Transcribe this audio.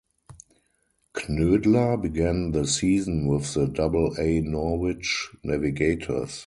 Knoedler began the season with the Double-A Norwich Navigators.